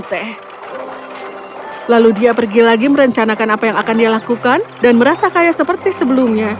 teh lalu dia pergi lagi merencanakan apa yang akan dia lakukan dan merasa kaya seperti sebelumnya